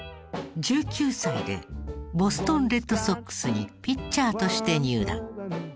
１９歳でボストン・レッドソックスにピッチャーとして入団。